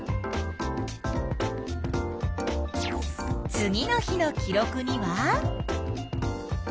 次の日の記録には？